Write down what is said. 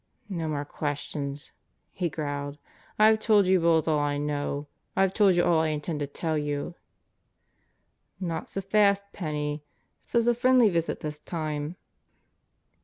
"No more questions!" he growled. "I've told you bulls all I know. I've told you all I intend to tell you " "Not s' fast, Penney. 'S a friendly visit this time."